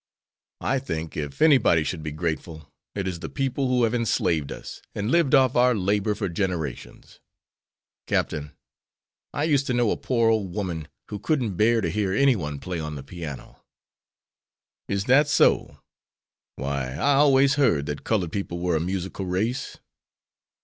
I think if anybody should be grateful, it is the people who have enslaved us and lived off our labor for generations. Captain, I used to know a poor old woman who couldn't bear to hear any one play on the piano." "Is that so? Why, I always heard that colored people were a musical race."